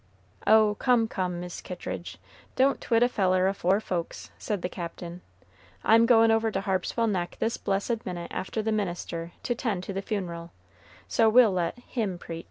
"Oh! come, come, Mis' Kittridge, don't twit a feller afore folks," said the Captain. "I'm goin' over to Harpswell Neck this blessed minute after the minister to 'tend the funeral, so we'll let him preach."